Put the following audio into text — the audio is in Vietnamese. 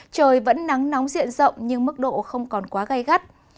trời vẫn nắng nóng diện rộng nhưng mức độ không còn quá gây gắt